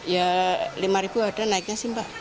ya rp lima ada naiknya sih mbak